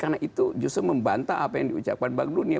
karena itu justru membantah apa yang diucapkan bank dunia